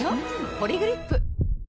「ポリグリップ」